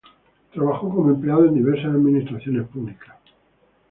Trabajó como empleado en diversas administraciones públicas.